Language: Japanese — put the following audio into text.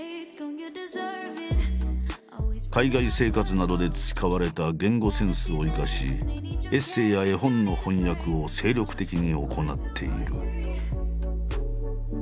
海外生活などで培われた言語センスを生かしエッセーや絵本の翻訳を精力的に行っている。